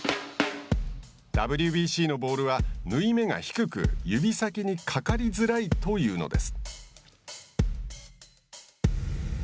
ＷＢＣのボールは縫い目が低く指先にかかりづらいというのです。